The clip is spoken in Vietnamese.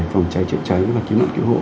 phòng cháy trợ cháy và cứu nạn cứu hộ